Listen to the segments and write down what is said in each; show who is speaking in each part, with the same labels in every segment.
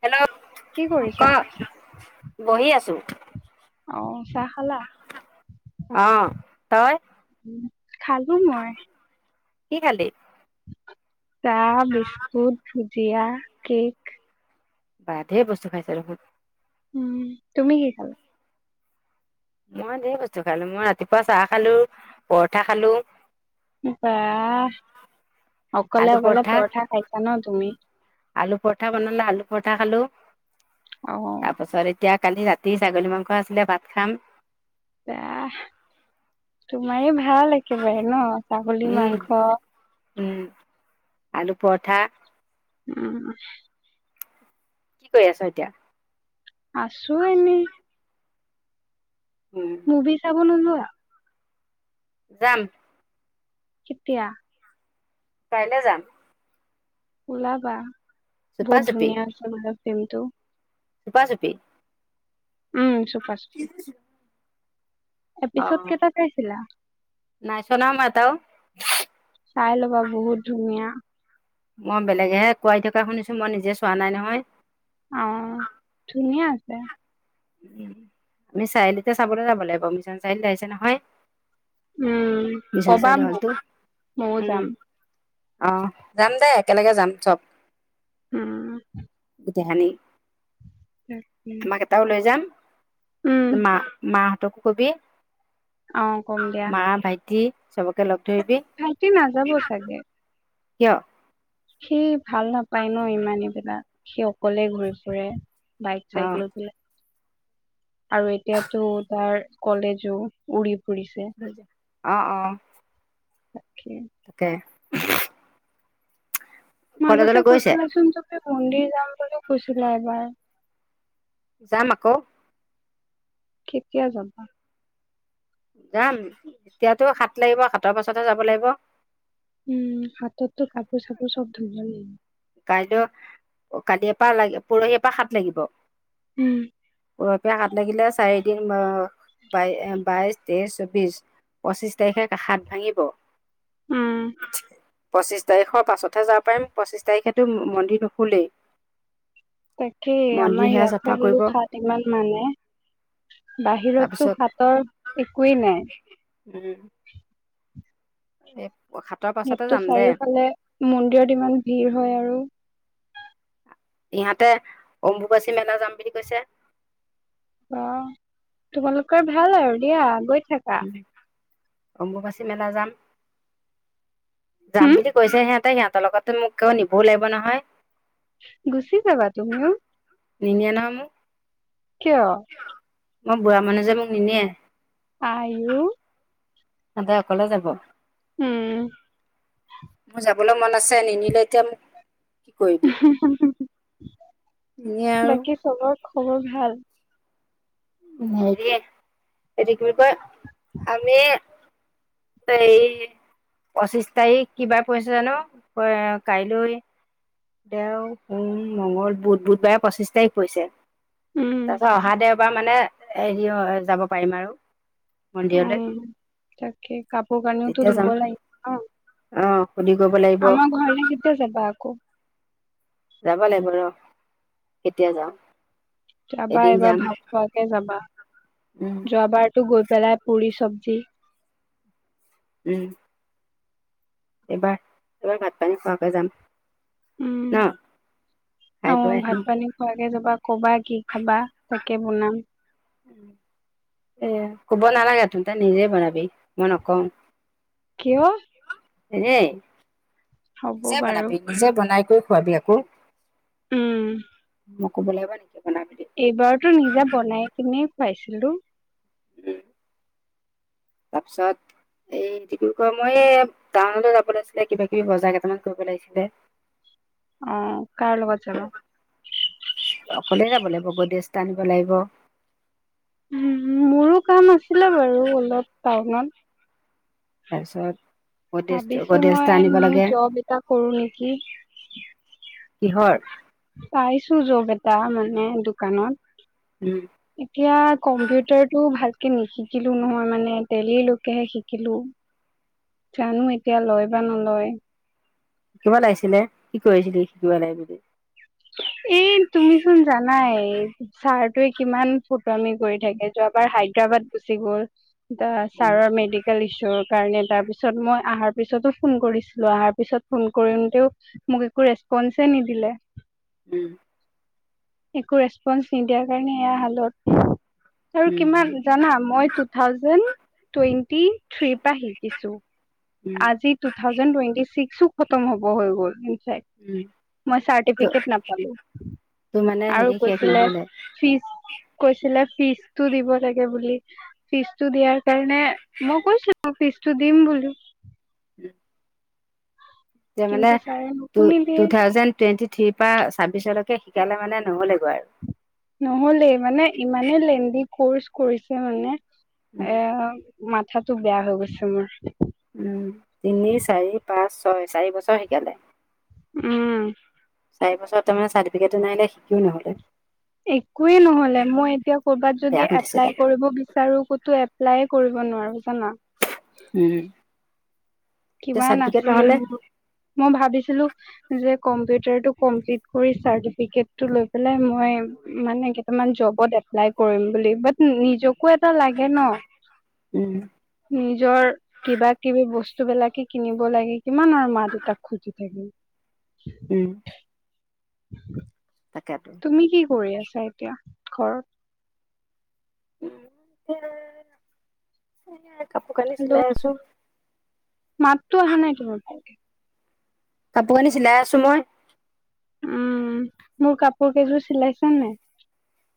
Speaker 1: Hello
Speaker 2: কি
Speaker 1: ক
Speaker 2: কৰিছা?
Speaker 1: বহি আছো
Speaker 2: অ', চাহ খালা?
Speaker 1: অ', তই?
Speaker 2: উম, খালোঁ মই।
Speaker 1: কি খালি?
Speaker 2: চাহ, বিস্কুট, ভুজিয়া, কেক।
Speaker 1: [unintelligible] বস্তু খাইছা দেখোন।
Speaker 2: উম, তুমি কি খালা?
Speaker 1: মই ঢেৰ বস্তু খালোঁ মই ৰাতিপুৱা চাহ খালোঁ, পৰঠা খালোঁ।
Speaker 2: বাহ, অকলে অকলে পৰঠা খাইছা ন' তুমি?
Speaker 1: আলু পৰঠা বনালে আলু পৰঠা খালোঁ,
Speaker 2: অ',
Speaker 1: তাৰপাছত এতিয়া কালি ৰাতি ছাগলী মাংস আছিলে ভাত খাম।
Speaker 2: এয়া তোমাৰেই ভাল একেবাৰে ন' ছাগলী
Speaker 1: উম
Speaker 2: মাংস।
Speaker 1: উম' আলু-পৰঠা।
Speaker 2: উম'।
Speaker 1: কি কৰি আছা এতিয়া।
Speaker 2: আছো এনেই।
Speaker 1: উম
Speaker 2: মুভি চাব নোযোৱা?
Speaker 1: যাম।
Speaker 2: কেতিয়া।
Speaker 1: কাইলৈ যাম।
Speaker 2: ওলাবা
Speaker 1: চুপা
Speaker 2: বহুত
Speaker 1: চুপি
Speaker 2: ধুনীয়া আছে মানে ফিল্মটো।
Speaker 1: চুপা চুপি।
Speaker 2: উম, চুফা চুপি। এপিছড
Speaker 1: অ'
Speaker 2: কেইটা চাইছিলা?
Speaker 1: নাই চুনা মাতও।
Speaker 2: চাই লবা বহুত ধুনীয়া
Speaker 1: মই বেলেগেহে কোৱাই থকা শুনিছো মই নিজে চোৱা নাই নহয়।
Speaker 2: অ' ধুনীয়া আছে।
Speaker 1: উ আমি চাৰিআলিতে চাবলৈ যাব লাগিব, মিছন চাৰিআলি আহিছে নহয়।
Speaker 2: উম
Speaker 1: বিচাৰ
Speaker 2: কবা
Speaker 1: চাৰআলে
Speaker 2: মোক
Speaker 1: হ'লতো
Speaker 2: ময়ো যাম
Speaker 1: উম'। অহ যাম দেই একেলগে যাম চব।
Speaker 2: উম'।
Speaker 1: দেহানী
Speaker 2: [unintelligible]
Speaker 1: লৈ যাম
Speaker 2: উম
Speaker 1: মা-মাহঁতকো কবি।
Speaker 2: অ' কম দিয়া।
Speaker 1: চবেল
Speaker 2: ভাইটি নাযাব চাগে!
Speaker 1: কিয়।
Speaker 2: সি ভাল নাপায় ন', ইমানেইবিলাক সি অকলেই ঘূৰি ফুৰে। বাইক
Speaker 1: অ
Speaker 2: চাইকেলো। আৰু এতিয়াতো তাৰ কলেজো উৰি ফুৰিছে
Speaker 1: অহ-অহ।
Speaker 2: তাকে
Speaker 1: তাকে।
Speaker 2: মাজতে
Speaker 1: কলেজলৈ গৈছে
Speaker 2: কৈছিলাচোন তুমি মন্দিৰ যাম বুলিও কৈছিলা এবাৰ
Speaker 1: যাম আকৌ
Speaker 2: কেতিয়া যাবা।
Speaker 1: যাম এতিয়াতো সাত লাগিব, সাতৰ পাছত যাব লাগিব।
Speaker 2: উম, হাতৰতো কাপোৰ চাপোৰ চব ধৰিবাল লাগ
Speaker 1: কাইলৈ কালি পৰা লাগ, পৰহি পৰা সাত লাগিব।
Speaker 2: উম'।
Speaker 1: উৰপ হাত লাগিলে চাৰিদিন অ' বাই বাইশ, তেইশ, চৌবিশ, পঁচিশ তাৰিখে সাত ভাঙিব।
Speaker 2: উম'।
Speaker 1: পঁচিশ তাৰিখৰ পাছতহে যাব পাৰিম, পঁচিশ তাৰিখেতো মন্দিৰ নুখুলেই।
Speaker 2: তাকেই আমাৰ
Speaker 1: মন্দিৰ সেয়া চাফা
Speaker 2: ইয়াতহে বোলো
Speaker 1: কৰিব
Speaker 2: খাত ইমান মানে। বাহিৰততো
Speaker 1: তাৰপিছত
Speaker 2: সাতৰ একোৱেই নাই।
Speaker 1: এক
Speaker 2: ইয়াততো চাৰিওফালে মন্দিৰত ইমান ভিৰ হয় আৰু
Speaker 1: ইহতে অম্বুবাচী মেলা যাম বুলি কৈছে।
Speaker 2: অ' তোমালোকৰ ভাল আৰু দিয়া গৈ থাকা।
Speaker 1: অম্বুবাচি মেলা যাম। যাম
Speaker 2: হম
Speaker 1: বুলি কৈছে সিহতে - সিহতৰ লগতো মোক কও নিবও লাগিব নহয়।
Speaker 2: গুচি যাবা তুমিও
Speaker 1: নিনিয় ন মোক।
Speaker 2: কিয়?
Speaker 1: মই বুঢ়া মানুহ যে মোক নিনিয়ে।
Speaker 2: আইও,
Speaker 1: সদাই অকলে যাব
Speaker 2: উম
Speaker 1: মোৰ যাব যাবলৈ মন আছে নিনিলে এতিয়া কি কৰিবি এনে আৰু
Speaker 2: বাকী চবৰ খবৰ ভাল
Speaker 1: হেৰি - হেৰি কৰিব আমি তাই পঁচিশ তাৰিখ কিবাদ পৰিছে জানো কাইলৈ দেও সোম মংগল বুধ - বুধবাৰে পচিশ তাৰিখ পৰিছে।
Speaker 2: উম
Speaker 1: তাৰ পিছত অহা দেওবাৰ মানে হেৰি যাব পাৰিম আৰু। মন্দিৰলৈ
Speaker 2: উম, তাকে কাপোৰ কানিওতো
Speaker 1: তেতিয়া
Speaker 2: ধুব
Speaker 1: যাম
Speaker 2: লাগিব অ,
Speaker 1: অ সুধি কৰিব লাগিব
Speaker 2: আমাৰ ঘৰলে কেতিয়া যাবা আকৌ।
Speaker 1: যাবা লাগিব ৰ কেতিয়া যাও।
Speaker 2: তাবা এবাৰ ভাত খোৱাকে যাবা
Speaker 1: উম
Speaker 2: যোৱাবাৰতো গৈ পেলাই পুৰি চব্জি।
Speaker 1: উম, এইবাৰ-এইবাৰ ভাত পানী খোৱাকে যাম।
Speaker 2: উম,
Speaker 1: ন
Speaker 2: অ,
Speaker 1: খাই বৈ
Speaker 2: ভাত
Speaker 1: আহিম
Speaker 2: পানী খোৱাকে যাবা কবা কি খাবা। তাকে বনাম
Speaker 1: এ কব নালাগে তন ত নিজে বনাবি মই নকও।
Speaker 2: কিয়। হ'ব
Speaker 1: নিজে
Speaker 2: বাৰু
Speaker 1: বনাবি নিজে বনাই কৰি খোৱাবি আকৌ।
Speaker 2: উম।
Speaker 1: মোক ক'ব লাগা নেকি বন [unintelligible]
Speaker 2: এইবাৰতো নিজে বনাই কিনে খুৱাইছিলো।
Speaker 1: এ তাৰপিছত এই ডিব্ৰুগড় মই টাউনলৈ যাব লাগিছিলে কিবা কিবি বজাৰ কেইটামান কৰিব লাগিছিলে।
Speaker 2: অহ, কাৰ লগত যাবা।
Speaker 1: অকলে যাব লাগিব গৈদেশটা আনিব লাগিব।
Speaker 2: উম, মোৰো কাম আছিলে বাৰু অলপ টাউনত।
Speaker 1: এছ
Speaker 2: ভাবিছো মই নিউ জব এটা কৰো নেকি?
Speaker 1: কিহৰ
Speaker 2: ইছো জব এটা মানে দোকানত
Speaker 1: উম
Speaker 2: এতিয়া কম্পিউটাৰ টো ভাল নিশিকিলো নহয় মানে তেলীলৈকেহে শিকিলো। জানো এতিয়া লয় বা নলয়।
Speaker 1: শিকিব লাগিছিলে কি কৰি থাকিলি শিকিব লাগে যদি।
Speaker 2: এ তুমি চোন জানাই। ছাৰটোৱে কিমান ফটো আমি কৰি থাকে যোৱাবাৰ হায়দৰাবাদ গুচি গল।
Speaker 1: উম
Speaker 2: চাৰাৰ মেডিকেল ইছু কাৰণ তাৰ পিছত মই অহাৰ পিছতো ফোন কৰিছিলো অহাৰ পিছত ফোন কৰোতেও মোক ৰেচপঞ্চ এ নিদিলে।
Speaker 1: উম,
Speaker 2: একো ৰেচপন্ঞ্চ নিদিয়াৰ কাৰণে এয়া হালত। আৰু
Speaker 1: উম
Speaker 2: কিমান জানা মই টু থাউজেণ্ড টুৱেণ্টি থ্ৰী পৰা শিকিছোঁ।
Speaker 1: উম
Speaker 2: আজি টু থাউজেণ্ড টুৱেটি ছিক্সো খতম হ'ব হৈ গ'ল।
Speaker 1: উম
Speaker 2: মই
Speaker 1: ত
Speaker 2: চাৰ্টিফিকেট নাপালোঁ।
Speaker 1: তোৰ মানে
Speaker 2: আৰু
Speaker 1: হেৰি শেষ
Speaker 2: কৈছিলে,
Speaker 1: নহলে
Speaker 2: ফিচ কৈছিলে ফিজটো দিব লাগে বুলি, ফিজটো দিয়াৰ কাৰণে মই কৈছিলোঁ, ফিজটো দিম বুলি।
Speaker 1: উম যে, মানে
Speaker 2: কিন্তু ছাৰে
Speaker 1: টু,
Speaker 2: নুশুনিলে
Speaker 1: টু থাউজেণ্ড টুৱেন্টি থ্ৰিৰ পৰা ছাব্বিচলৈ কে শিকালে মানে নহ'লেগৈ আৰু।
Speaker 2: নহ'লেই মানে ইমানেই লেণ্ডি কৰ্চ কৰিছে মানে,
Speaker 1: উম
Speaker 2: এ মাথাতো বেয়াহৈ গৈছে মোৰ।
Speaker 1: উম তিনি চাৰি পাঁচ চাৰি বছৰ শিকালে।
Speaker 2: উম
Speaker 1: চাৰি বছৰ তামানে চাৰ্টি য়েটো নাইনে শিকিও নহ'লে?
Speaker 2: একোৱেই নহ'লে মই এতিয়া ক'ৰবাত
Speaker 1: বেয়া
Speaker 2: যদি
Speaker 1: খুন্দিছিলে
Speaker 2: এপ্লাই কৰিব বিচাৰোঁ, ক'তো এপ লাই কৰিব নোৱাৰোঁ জানা।
Speaker 1: উম এতিয়া
Speaker 2: কিবা
Speaker 1: চাৰ্টিফিকেট
Speaker 2: নাছিলে
Speaker 1: নহ'লে
Speaker 2: মোৰ মই ভাবিছিলো। যে, কম্পিউটাৰটো‌‌ কমপ্লিট কৰি চাৰ্টিফিকেটো ল মই মানে কটামান জবত এাই কৰি বুলি নি কো, এটা লাগে ন!
Speaker 1: উম
Speaker 2: নিজৰ কিবা কিবি বচ বিলাকে কিনিব লাগে, কিমান আৰু মা দেউতাক খুজি থাকিম।
Speaker 1: উম তাকেতো
Speaker 2: তুমি কি কৰি আছা এতিয়া ঘৰত
Speaker 1: উ এ কাপোৰ কানি চিলাই আছো
Speaker 2: মাতটো আহা নাই তোমাৰ ভালকে।
Speaker 1: কাপোৰ কানি চিলাই আছোঁ মই।
Speaker 2: উম, মোৰ কাপোৰ কেইযোৰ চিলাইছা‌ নাই?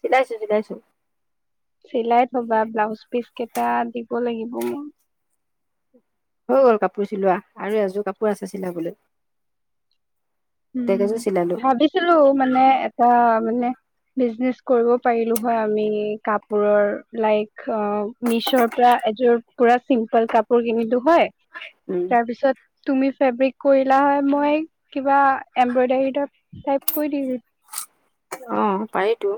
Speaker 1: চিলাইছোঁ, চিলাইছোঁ।
Speaker 2: চিলাই থ'বা, ব্লাউজ পিচ কেইটা দিব লাগিব মই।
Speaker 1: হৈ গ'ল কাপোৰ চিলোৱা আৰু এযোৰ কাপোৰ আছে চিলাবলৈ। গোটেই
Speaker 2: উম,
Speaker 1: কেইযোৰ চিলালো
Speaker 2: ভাবিছিলোঁ মানে এটা মানে বিজনেচ কৰিব পাৰিলো হয় আমি কাপোৰৰ লাইক অ মিছৰ পৰা এযোৰ পুৰা চিম্পল কাপোৰ কিনিলোঁ হয়,
Speaker 1: উম
Speaker 2: তাৰপিছত তুমি ফেব্ৰিক কৰিলা হয়, মই কিবা এম্বইডাৰী এটা টাইপ কৰি দি
Speaker 1: অ', পাৰিতো।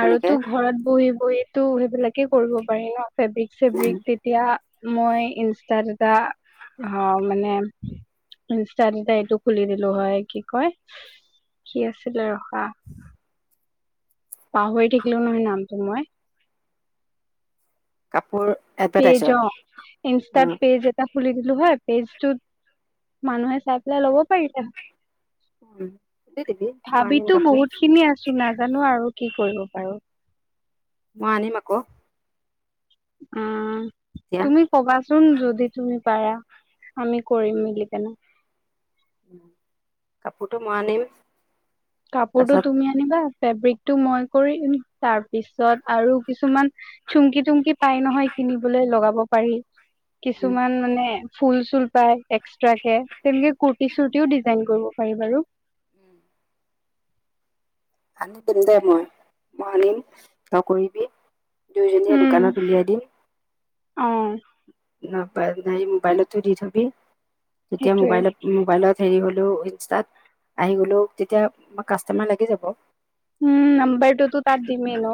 Speaker 1: তেনেকে
Speaker 2: আৰুতো ঘৰত বহি, বহিতো সেইবিলাকে কৰিব পাৰি ন? ফেব্ৰিক,
Speaker 1: উম
Speaker 2: চেব্ৰিক তেতিয়া মই ইনষ্টাত এটা হা মানে ইনষ্টাত এটা এইটো খুলি দিলোঁ হয়, কি কয় কি আছিলে ৰখা পাহৰি থাকিলো নহয় নামটো মই
Speaker 1: কাপোৰ
Speaker 2: পেইজ
Speaker 1: এডভাৰটাইজত
Speaker 2: অ',
Speaker 1: অ
Speaker 2: ইনষ্টাত পেইজ এটা খুলি দি হয়, পেজটোত মানুহে চাই পেলাই ল'ব পাৰিলে হয়।
Speaker 1: দি দিবি মই আনিম
Speaker 2: ভাবিতো
Speaker 1: কাপোৰ
Speaker 2: বহুতখিনি আছোঁ, নাজানোঁ আৰু কি কৰিব পাৰোঁ।
Speaker 1: মই আনিম আকৌ।
Speaker 2: উম,
Speaker 1: এতিয়া
Speaker 2: তুমি ক'বাচোন যদি তুমি পাৰা। আমি কৰিম মিলি কেনে
Speaker 1: কাপোৰটো মই আনিম।
Speaker 2: কাপোৰটো
Speaker 1: তাৰপাছত
Speaker 2: তুমি আনিবা ফেব্ৰিকটো মই কৰিম তাৰপিছত আৰু কিছুমান চুমকি তুমকি পাই নহয় কিনিবলৈ লগাব পাৰি
Speaker 1: উম
Speaker 2: কিছুমান মানে ফুল চুল পাই এক্সট্ৰাকে তেনেকে কূৰ্ততি চুৰ্তিও ডিজাইন কৰিব পাৰি বাৰু [inaudible]
Speaker 1: আনি দিম দে মই। মই আনিম তই কৰিবি দুয়োজনীয়ে দোকানত উলিয়াই দিম
Speaker 2: অঁ
Speaker 1: নাই নাই মোবাইলতো দি থবি তেতিয়া
Speaker 2: সেইটোয়ে
Speaker 1: মোবাইলত মোবাইলত হেৰি হ'লেও ইনষ্টাত আহি গ'লেও তেতিয়া আমাৰ কাষ্টমাৰ লাগি যাব।
Speaker 2: উম নম্বাৰটোতো তাত দিমেই ন।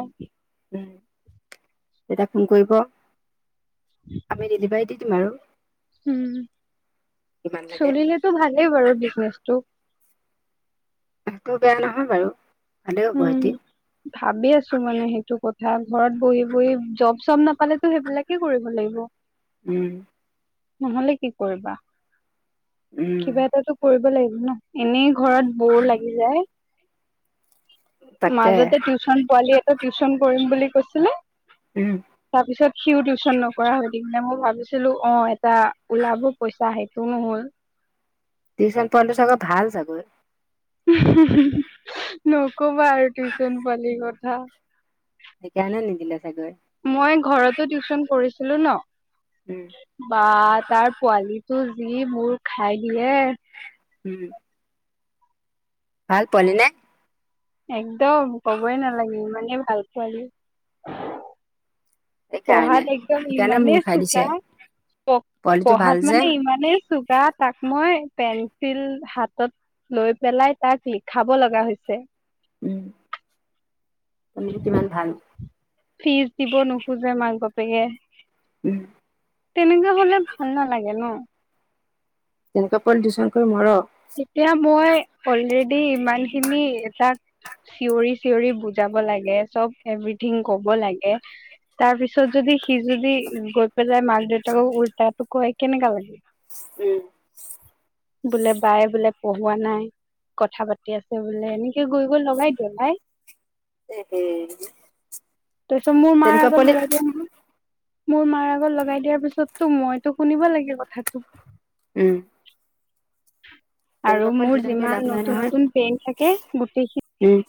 Speaker 1: তেতিয়া ফোন কৰিব আমি ডেলিভাৰী দি দিম আৰু
Speaker 2: উম
Speaker 1: কিমান লাগে
Speaker 2: চলিলেটো ভালেই বাৰু বিজনেচটো
Speaker 1: হেইটো বেয়া নহয় বাৰু। ভালেই হ'ব
Speaker 2: উম
Speaker 1: সিহঁতি
Speaker 2: ভাবি আছো মানে সেইটো কথা ঘৰত বহি বহি জব চব নাপ পালেতো সেইবিলাকে কৰিব লাগিব
Speaker 1: উম
Speaker 2: নহলে কি কৰিবা।
Speaker 1: উম
Speaker 2: কিবা এটাটো কৰিব লাগিব ন, এনেই ঘৰত বৰ লাগি যায়।
Speaker 1: তাকে
Speaker 2: মাজতে টিউচন পোৱালি এটা টিউচন কৰিম বুলি কৈছিলে। তাৰ পিছত সিও টিউচন নকৰা হৈ থাকিলে মই ভাবিছো। ছিলো অঁ এটা ওলাব পইচা সেইটো নহ'ল।
Speaker 1: টিউচন পোৱালিটো চাগৈ ভাল চাগৈ।
Speaker 2: নকবা আৰু টিউচন পোৱালি কথা।
Speaker 1: সেইকাৰণে নিদিলে চাগৈ
Speaker 2: মই ঘৰতো টিউচন কৰিছিলো ন
Speaker 1: উম
Speaker 2: বা তাৰ পোৱালি। ত যি মোৰ খাই দিয়ে।
Speaker 1: উম। ভাল পোৱালিনে।
Speaker 2: একদম কবই নালাগে ইমানেই ভাল পোৱালি।
Speaker 1: সেইকাৰণে
Speaker 2: পঢ়াত একদম
Speaker 1: সেইকাৰণে মূৰ
Speaker 2: ইমানেই
Speaker 1: খাই দিছে
Speaker 2: চুকা।
Speaker 1: পোৱালিটো ভাল
Speaker 2: পঢ়াত
Speaker 1: যে
Speaker 2: মানে ইমানে চোকা তাক মই পেঞ্চিল হাতত লৈ পেলাই তাক লিখাব লগা হৈছে।
Speaker 1: উম। [unintelligible] কিমান ভাল?
Speaker 2: ফিজ দিব নোখোজে মাক বাপেকে।
Speaker 1: উম
Speaker 2: তেনেকে হলে ভাল নালাগে ন।
Speaker 1: তেনেকুৱা পোৱালি টিউচন কৰি মৰ।
Speaker 2: এতিয়া মই অলৰেডি ইমান খিনি এটাক চিঞৰি চিঞৰি বুজাব লাগে, চব এভৰিথিং কব লাগে তাৰপিছত যদি সি যদি গৈ পেলাই মাক দেউতাকক উলটাটো কয় কেনেকা লাগিল
Speaker 1: উম।
Speaker 2: বোলে বাই বোলে পঢ়োৱা নাই। কথা পাতি আছে বোলে এনেকে গৈ গৈ লগাই দিয়ে ভাই।
Speaker 1: [unintelligible]
Speaker 2: তাৰপিছত মোৰ মাৰ
Speaker 1: তেনেকুৱা
Speaker 2: আগত
Speaker 1: পলি
Speaker 2: লগাই দিয়ে নহয়। মোৰ মাৰ আগত লগাই দিয়াৰ পিছতটো মইতো শুনিব লাগে কথাটো।
Speaker 1: উম।
Speaker 2: আৰু
Speaker 1: তেনেকুৱা
Speaker 2: মোৰ
Speaker 1: পলিটিউচন কৰি লাভ
Speaker 2: যিমান
Speaker 1: নাই
Speaker 2: নতুন
Speaker 1: নহয়
Speaker 2: নতুন পেইন থাকে গোটেইখিনি
Speaker 1: উম